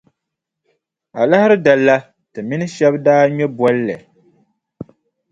Alahiri dali la, ti mini shɛba daa ŋme bolli.